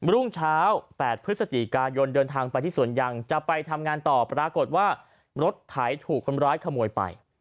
รุ่งเช้า๘พฤศจิกายนเดินทางไปที่สวนยังจะไปทำงานต่อปรากฏว่ารถไถถูกคนร้ายขโมยไป